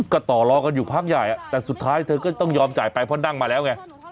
ก็ต่อรอกันอยู่พักใหญ่แต่สุดท้ายเธอก็ต้องยอมจ่ายไปเพราะนั่งมาแล้วไง